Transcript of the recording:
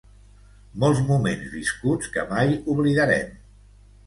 Molts moments viscuts que mai oblidarem.